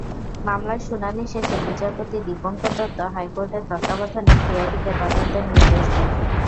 মামলার শুনানি শেষে বিচারপতি দীপংকর দত্ত হাইকোর্টের তত্ত্বাবধানে সিআইডিকে তদন্তের নির্দেশ দেন।